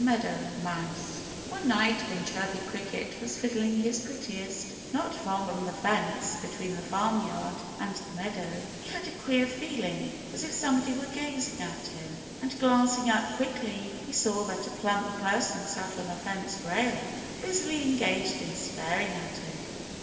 MEADOW MOUSE One night when Chirpy Cricket was fiddling his prettiest, not far from the fence between the farmyard and the meadow, he had a queer feeling, as if somebody were gazing at him. And glancing up quickly, he saw that a plump person sat on a fence rail, busily engaged in staring at him.